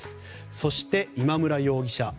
そして、今村容疑者。